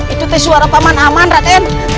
itu suara paman aman raden